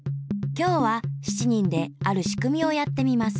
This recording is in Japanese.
今日は７人であるしくみをやってみます。